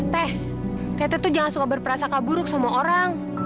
t teteh tuh jangan suka berperasaan buruk sama orang